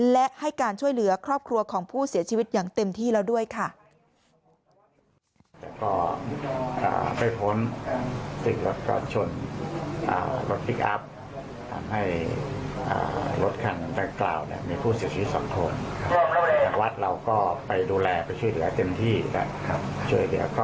และให้การช่วยเหลือครอบครัวของผู้เสียชีวิตอย่างเต็มที่แล้วด้วยค่ะ